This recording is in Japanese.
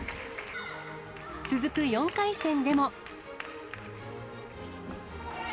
続く４回戦でも。